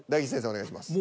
お願いします。